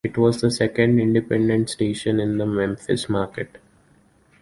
It was the second independent station in the Memphis market.